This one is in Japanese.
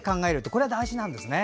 これが大事なんですね。